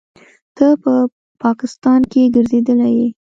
ته په پاکستان کښې ګرځېدلى يې.